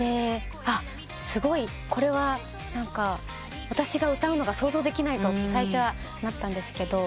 「すごい。これは私が歌うのが想像できないぞ」って最初はなったんですけど。